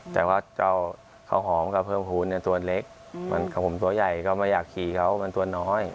แต่ว่าเจ้าข้าวหอมกับเพิ่มภูมิเนี่ยตัวเล็กของผมตัวใหญ่ก็ไม่อยากขี่เขามันตัวน้อย